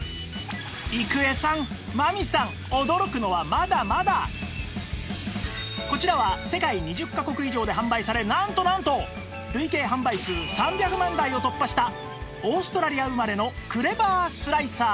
郁恵さん真美さんこちらは世界２０カ国以上で販売されなんとなんと累計販売数３００万台を突破したオーストラリア生まれのクレバースライサー